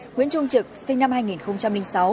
nguyễn trung trực sinh năm hai nghìn sáu